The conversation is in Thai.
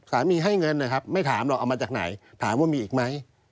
ให้เงินนะครับไม่ถามหรอกเอามาจากไหนถามว่ามีอีกไหม